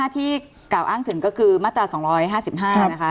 ที่กล่าวอ้างถึงก็คือมาตรา๒๕๕นะคะ